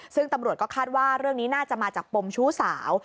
ซึ่งตำรวจก็คาดว่าเรื่องนี้น่าจะมาจากปมชู้สาว